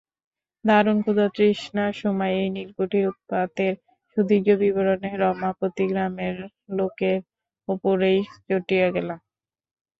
দারুণ ক্ষুধাতৃষ্ণার সময় এই নীলকুঠির উৎপাতের সুদীর্ঘ বিবরণে রমাপতি গ্রামের লোকের উপরেই চটিয়া গেল।